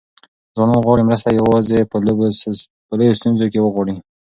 ځوانان غواړي مرسته یوازې په لویو ستونزو کې وغواړي.